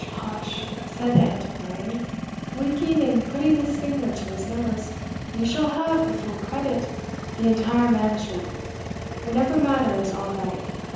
hush!" said the Antiquary, winking and putting his finger to his nose, "you shall have the full credit, the entire management, whenever matters are ripe.